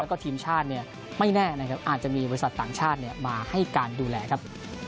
แล้วก็ทีมชาติเนี่ยไม่แน่นะครับอาจจะมีบริษัทต่างชาติมาให้การดูแลครับ